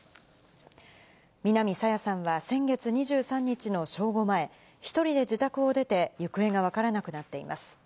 南朝芽さんは、先月２３日の正午前、１人で自宅を出て、行方が分からなくなっています。